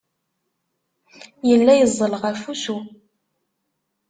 Yella yeẓẓel ɣef wusu.